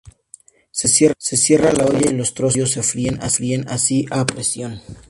Se cierra la olla y los trozos de pollo se fríen así a presión.